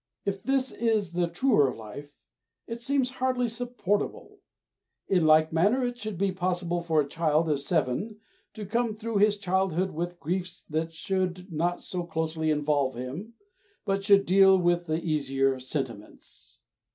If this is the truer life, it seems hardly supportable. In like manner it should be possible for a child of seven to come through his childhood with griefs that should not so closely involve him, but should deal with the easier sentiments.